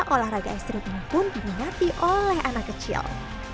olahraga street ini pun dimengerti oleh anak kecil